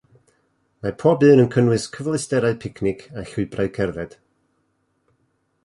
Mae pob un yn cynnwys cyfleusterau picnic a llwybrau cerdded.